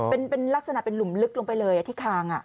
เป็นลักษณะเป็นหลุมลึกลงไปเลยที่คาง